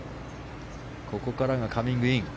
ここからがカミングイン。